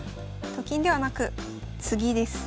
と金ではなく次です。